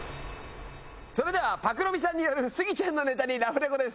それでは朴美さんによるスギちゃんのネタにラフレコです。